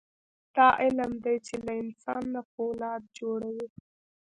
دا علم دی چې له انسان نه فولاد جوړوي.